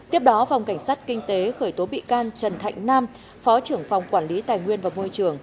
tiếp đó phòng cảnh sát kinh tế khởi tố bị can trần thạnh nam phó trưởng phòng quản lý tài nguyên và môi trường